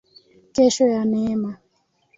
Kesho ya neema